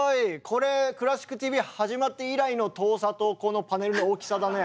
これ「クラシックＴＶ」始まって以来の遠さとこのパネルの大きさだね。